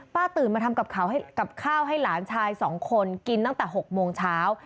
ตื่นมาทำกับข้าวให้หลานชาย๒คนกินตั้งแต่๖โมงเช้า